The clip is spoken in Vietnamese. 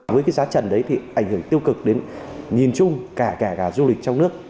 với giá trần đấy thì ảnh hưởng tiêu cực đến nhìn chung cả kẻ gà du lịch trong nước